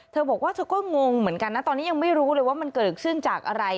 เธอบอกว่าเธอก็งงเหมือนกันนะตอนนี้ยังไม่รู้เลยว่ามันเกิดขึ้นจากอะไร